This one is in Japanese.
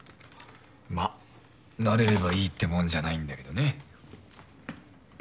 まぁ慣れればいいってもんじゃないんだけどね。